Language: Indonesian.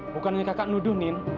bukan kakak nuduh nin